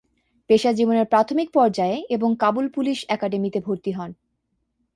পেশা জীবনের প্রাথমিক পর্যায়ে, এবং কাবুল পুলিশ একাডেমিতে ভর্তি হন।